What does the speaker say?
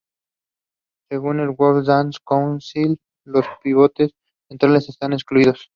Según el "World Dance Council", los pivotes centrales están excluidos.